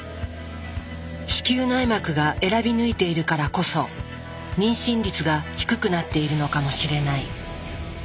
子宮内膜が選び抜いているからこそ妊娠率が低くなっているのかもしれない。